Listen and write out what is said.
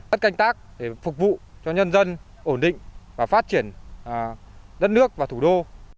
đất canh tác để phục vụ cho nhân dân ổn định và phát triển đất nước và thủ đô